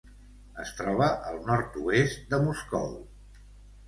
Es troba al nord-oest de Moscou.